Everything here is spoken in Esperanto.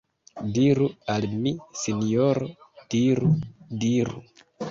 Diru al mi, sinjoro, diru, diru!